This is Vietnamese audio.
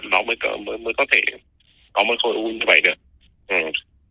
đó mới có thể có một khối u như vậy được